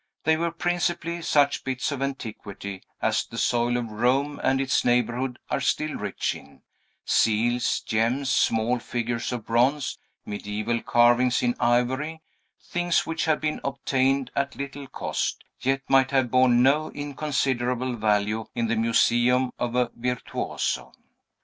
They were principally such bits of antiquity as the soil of Rome and its neighborhood are still rich in; seals, gems, small figures of bronze, mediaeval carvings in ivory; things which had been obtained at little cost, yet might have borne no inconsiderable value in the museum of a virtuoso.